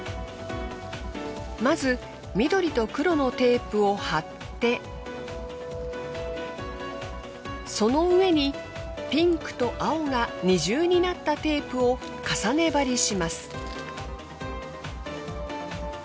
まず緑と黒のテープを貼ってその上にピンクと青が二重になったテープを重ね貼りします。